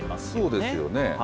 そうですよね。